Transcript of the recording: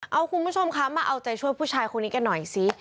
เอาคุณผู้ชมคะมาเอาใจช่วยผู้ชายคนนี้กันหน่อยสิ